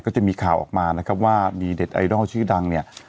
จะมีข่าวออกมานะครับว่ามีเด็ดไอดอลชื่อดังเนี่ย